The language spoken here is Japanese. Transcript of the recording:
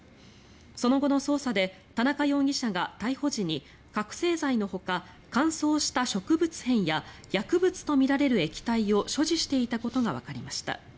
その後の捜査で田中容疑者が逮捕時に覚醒剤のほか乾燥した植物片や薬物とみられる液体を所持していたことがわかりました。